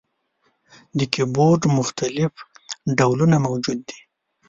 د کیبورډ مختلف ډولونه موجود دي.